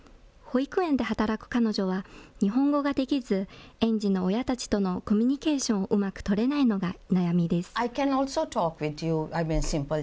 保育園で働く彼女は、日本語ができず、園児の親たちとのコミュニケーションをうまく取れないのが悩みです。